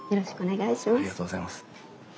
ありがとうございます。